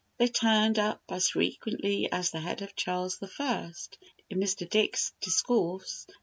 They turned up as frequently as "the head of Charles I." in Mr. Dick's discourse.